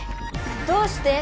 どうして？